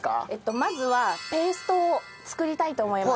まずはペーストを作りたいと思います。